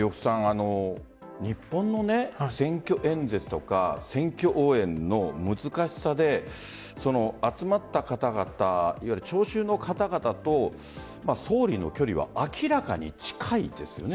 日本の選挙演説とか選挙応援の難しさで集まった方々いわゆる聴衆の方々と総理の距離は明らかに近いですよね。